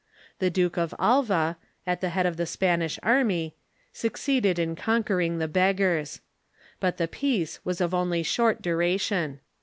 The Duke of Alva, at the head of the Spanish army, succeeded in conquering the Beggars. But the peace Avas of only short duration.